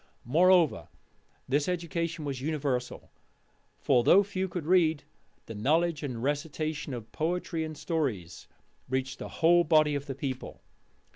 Moreover, this education was universal; for, though few could read, the knowledge and recitation of poetry and stories reached the whole body of the people.